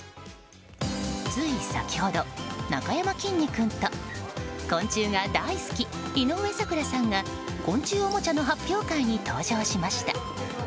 つい先ほどなかやまきんに君と昆虫が大好き、井上咲楽さんが昆虫おもちゃの発表会に登場しました。